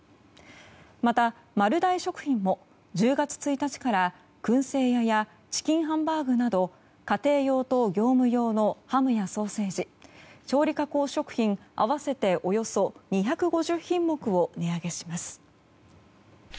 また、丸大食品も１０月１日から燻製屋やチキンハンバーグなど家庭用と業務用のハムやソーセージ調理加工食品合わせておよそ２５０品目を値上げします。